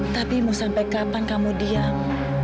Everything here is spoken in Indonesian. tapi mau sampai kapan kamu diam